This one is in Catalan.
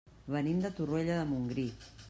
Venim de Torroella de Montgrí.